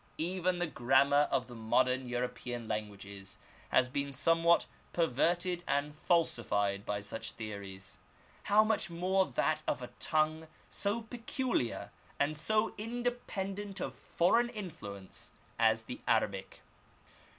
Even the grammar of the modern European languages has been somewhat perverted and falsified by such theories; how, much more that of a tongue so peculiar and so independent of foreign influence as the Arabic